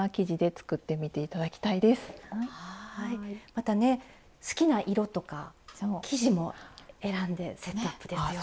またね好きな色とか生地も選んでセットアップですよ。